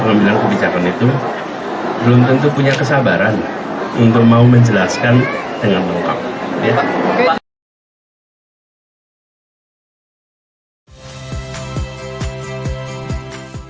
masyarakat itu belum tentu punya kesabaran untuk mau menjelaskan dengan lengkap ya pak